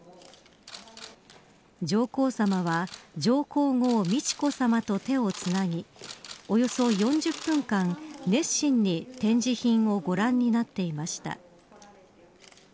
上皇さまは上皇后美智子さまと手をつなぎおよそ４０分間熱心に展示品をご覧になっていました。